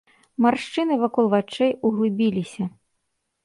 Маршчыны вакол вачэй углыбіліся.